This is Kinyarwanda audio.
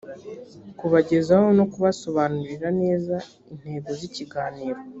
kubagezaho no kubasobanurira neza intego z ikiganiro